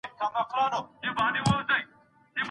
موږ له کړکۍ څخه ډبره نه وه چاڼ کړې.